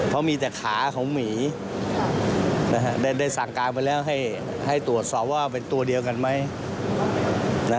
เพราะมีแต่ขาของหมีได้สั่งการไปแล้วให้ตรวจสอบว่าเป็นตัวเดียวกันไหม